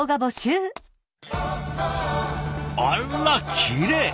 あらっきれい！